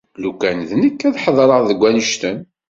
Lukan d nekk ad ḥadreɣ deg annect-en.